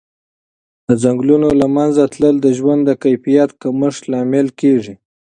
د ځنګلونو له منځه تلل د ژوند د کیفیت کمښت لامل کېږي.